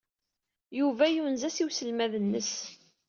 Yuba yunez-as i uselmad-nnes.